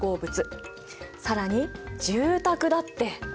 更に住宅だって。